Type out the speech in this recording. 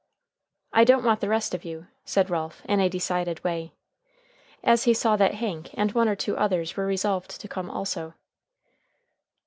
"I don't want the rest of you," said Ralph in a decided way, as he saw that Hank and one or two others were resolved to come also.